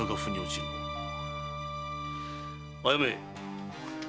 あやめ！